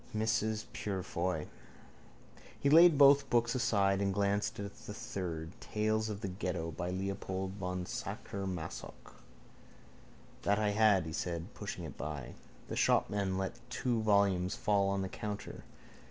Mrs Purefoy. He laid both books aside and glanced at the third: Tales of the Ghetto by Leopold von Sacher Masoch. —That I had, he said, pushing it by. The shopman let two volumes fall on the counter.